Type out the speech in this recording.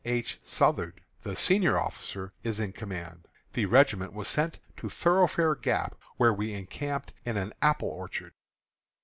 H. Southard, the senior officer, is in command. The regiment was sent to Thoroughfare Gap, where we encamped in an apple orchard.